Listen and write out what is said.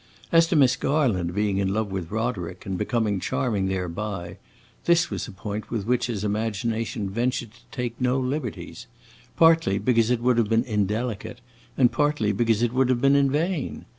As to Miss Garland being in love with Roderick and becoming charming thereby, this was a point with which his imagination ventured to take no liberties; partly because it would have been indelicate, and partly because it would have been vain.